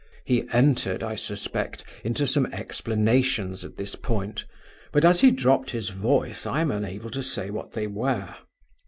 He entered, I suspect, into some explanations at this point, but as he dropped his voice I am unable to say what they were.